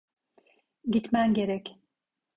Gitmen gerek.